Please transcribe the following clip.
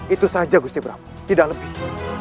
itu saja gusti bram tidak lebih